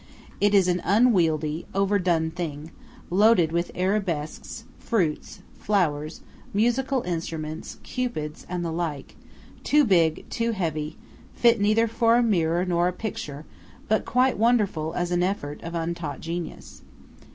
It is an unwieldy, overdone thing, loaded with Arabesques, fruits, flowers, musical instruments, Cupids, and the like; too big; too heavy; fit neither for a mirror nor a picture; but quite wonderful as an effort of untaught genius.